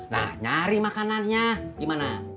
nah nyari makanannya gimana